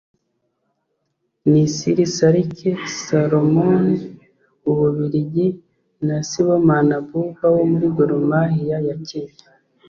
Nisirisarike Salomon (u Bubiligi) na Sibomana Abuba wo muri Gor Mahia ya Kenya